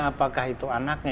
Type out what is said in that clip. apakah itu anaknya